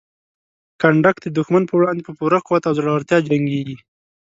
کنډک د دښمن په وړاندې په پوره قوت او زړورتیا جنګیږي.